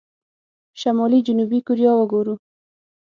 شمالي جنوبي کوريا وګورو.